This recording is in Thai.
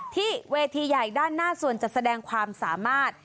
ที่เวทีใหญ่ด้านหน้าส่วนจัดแสดงความสามารถ